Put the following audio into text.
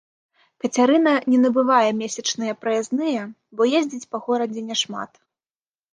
Кацярына не набывае месячныя праязныя, бо ездзіць па горадзе няшмат.